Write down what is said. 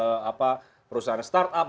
mungkin dari perusahaan start up